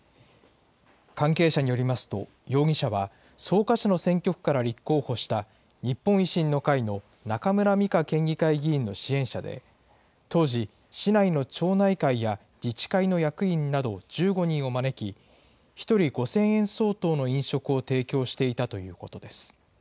関係者によりますと、容疑者は、草加市の選挙区から立候補した日本維新の会の中村美香県議会議員の支援者で、当時、市内の町内会や自治会の役員など１５人を招き、１人５０００円相当の飲食を提供していたということです。